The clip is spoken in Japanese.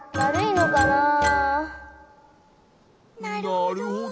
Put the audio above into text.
なるほど。